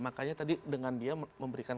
makanya tadi dengan dia memberikan